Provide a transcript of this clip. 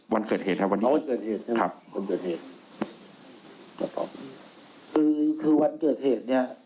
วันเกิดเหตุครับวันนี้คือวันเกิดเหตุเนี่ย